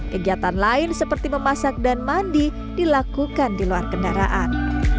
kegiatan lain seperti memasak dan mandi dilakukan di luar kendaraan